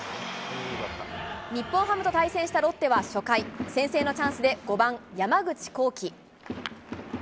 日本ハムと対戦したロッテは初回、先制のチャンスで５番山口航輝。